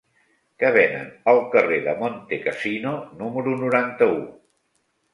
Què venen al carrer de Montecassino número noranta-u?